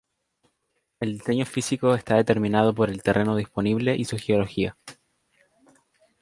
El diseño físico está determinado por el terreno disponible y su geología.